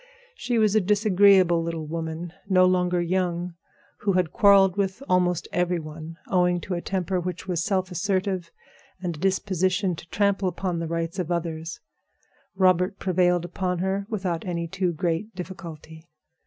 She was a disagreeable little woman, no longer young, who had quarreled with almost every one, owing to a temper which was self assertive and a disposition to trample upon the rights of others. Robert prevailed upon her without any too great difficulty.